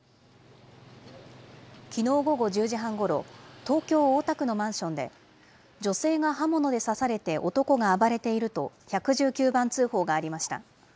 きのう午後１０時半ごろ、東京・大田区のマンションで、女性が刃物で刺されて男が暴れていると、１１９番通報がありました。